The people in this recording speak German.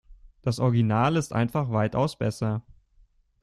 Das Original ist einfach weitaus besser.